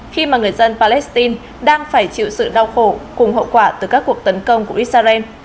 khi mà người dân palestine đang phải chịu sự đau khổ cùng hậu quả từ các cuộc tấn công của israel